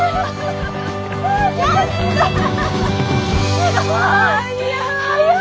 すごい！